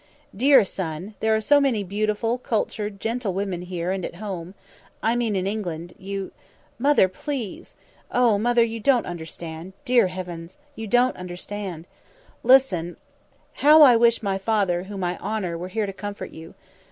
"Dear son, there are so many beautiful, cultured, gentle women here and at home I mean in England you " "Mother, please! Oh, Mother, you don't understand dear heavens! you don't understand. Listen and, how I wish my father, whom I honour, were here to comfort you.